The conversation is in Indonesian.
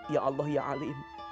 ya allah ya alim